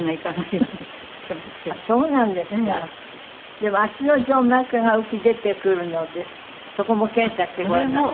でも足の静脈が浮き出てくるのでそこも検査してごらんになった？